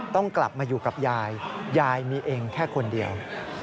ต้องกลับมาอยู่กับยายยายมีเองแค่คนเดียว